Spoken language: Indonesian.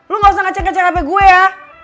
lu gak usah ngecek ngecek hp gue ya